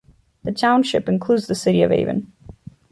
The township includes the city of Avon.